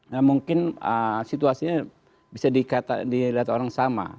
nah mungkin situasinya bisa dilihat orang sama